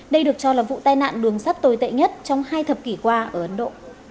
đây được cho là vụ tai nạn đường sắt tồi tệ nhất trong hai thập kỷ qua ở ấn độ